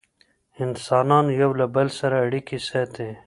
انسانان یو له بل سره اړیکې ساتي.